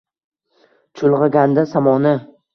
Chulg’aganda samoni